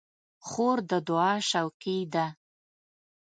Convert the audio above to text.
خور د دعا شوقي ده.